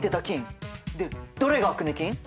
でどれがアクネ菌？